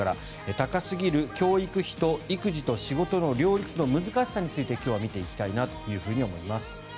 高すぎる教育費と育児と仕事の両立の難しさについて今日は見ていきたいと思います。